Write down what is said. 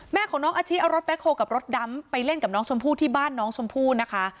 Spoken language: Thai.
แม่ของน้องอาชิเอารถแคลกับรถดำไปเล่นกับน้องชมพู่ที่บ้านน้องชมพู่นะคะ